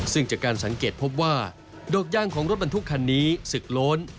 ซึ่งจากการสังเกตพบว่าดอกย่างของรถบรรทุกคันนี้ศึกโล้น